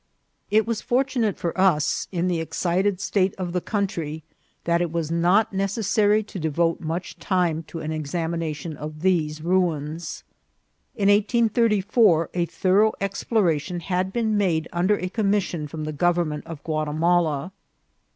It was fortunate for us, in the excited state of the country, that it was not necessary to devote much time to an examination of these ruins. In 1834 a thorough exploration had been made under a commission from the government of Guatimala.